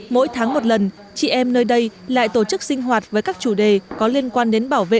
mỗi tháng một lần chị em nơi đây lại tổ chức sinh hoạt với các chủ đề có liên quan đến bảo vệ